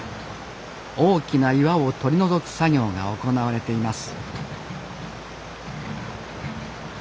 大きな岩を取り除く作業が行われています